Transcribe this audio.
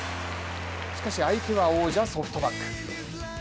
しかし相手は王者・ソフトバンク。